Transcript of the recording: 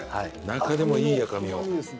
中でもいい赤身を。